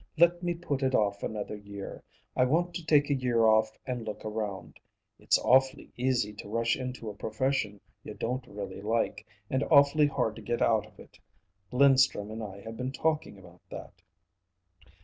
Let me put it off another year. I want to take a year off and look around. It's awfully easy to rush into a profession you don't really like, and awfully hard to get out of it. Linstrum and I have been talking about that."